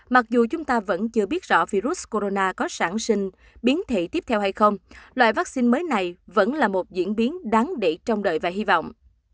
mặc dù chúng ta vẫn chưa biết rõ virus corona có sản sinh biến thị tiếp theo hay không loại vaccine mới này vẫn là một diễn biến đáng để trong đợi và hy vọng